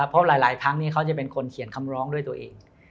เพราะหลายครั้งนี้เขาจะเป็นคนเขียนคำร้องด้วยตัวเอง